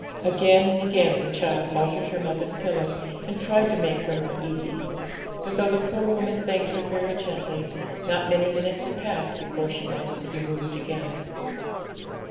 Again and again the child altered her mother's pillow, and tried to make her more easy; but though the poor woman thanked her very gently, not many minutes had passed before she wanted to be moved again.